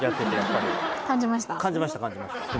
感じました感じました